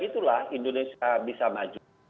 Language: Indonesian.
itulah indonesia bisa maju